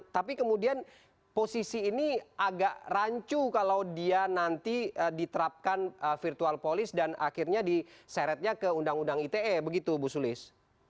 tapi kemudian posisi ini agak rancu kalau dia nanti diterapkan virtual polis dan akhirnya diseretnya ke undang undang ite begitu bu sulis